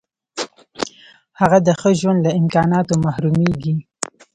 هغه د ښه ژوند له امکاناتو محرومیږي.